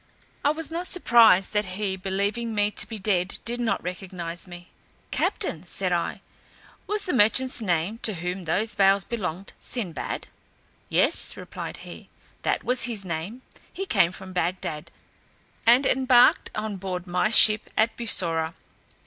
I was not surprised that he, believing me to be dead, did not recognize me. "Captain," said I, "was the merchant's name, to whom those bales belonged, Sinbad?" "Yes," replied he, "that was his name; he came from Bagdad, and embarked on board my ship at Bussorah.